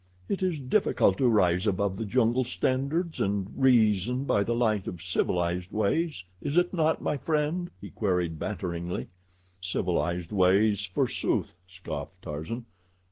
"It is difficult to rise above the jungle standards and reason by the light of civilized ways, is it not, my friend?" he queried banteringly. "Civilized ways, forsooth," scoffed Tarzan.